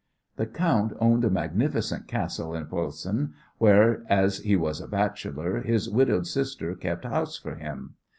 The count owned a magnificent castle in Posen, where, as he was a bachelor, his widowed sister kept house for him.